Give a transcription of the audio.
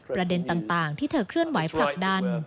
ประเด็นต่างที่เธอเคลื่อนไหวผลักดัน